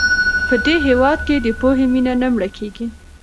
په دې هېواد کې د پوهې مینه نه مړه کېږي.